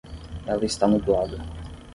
Ela está nublada.